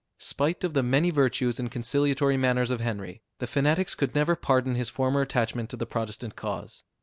Spite of the many virtues and conciliatory manners of Henry, the fanatics could never pardon his former attachment to the Protestant cause.